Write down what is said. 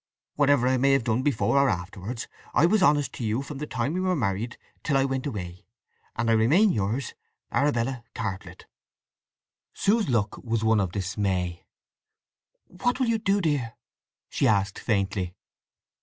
Whatever I may have done before or afterwards, I was honest to you from the time we were married till I went away, and I remain, yours, &c., ARABELLA CARTLETT. Sue's look was one of dismay. "What will you do, dear?" she asked faintly.